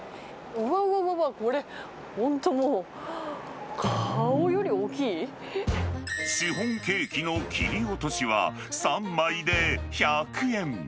うわうわうわ、これ、シフォンケーキの切り落としは、３枚で１００円。